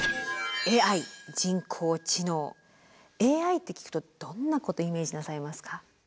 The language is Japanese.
ＡＩって聞くとどんなことをイメージなさいますか？